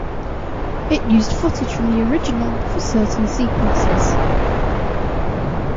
It used footage from the original for certain sequences.